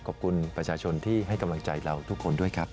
ขอบคุณประชาชนที่ให้กำลังใจเราทุกคนด้วยครับ